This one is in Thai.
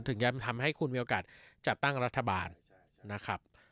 ถึงจะทำให้คุณมีโอกาสจัดตั้งรัฐบาลนะครับ